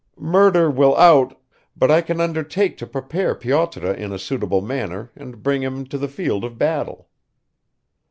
Murder will out but I can undertake to prepare Pyotr in a suitable manner and bring him to the field of battle."